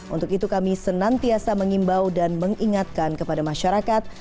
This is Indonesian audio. untuk itu kami senantiasa mengimbau dan mengingatkan kepada masyarakat